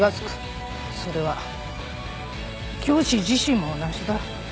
それは教師自身も同じだ。